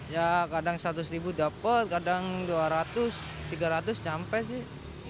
ya kadang rp seratus dapat kadang rp dua ratus rp tiga ratus sampai sih